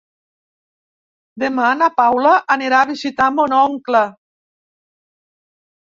Demà na Paula anirà a visitar mon oncle.